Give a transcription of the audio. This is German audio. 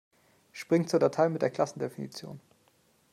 Spring zur Datei mit der Klassendefinition!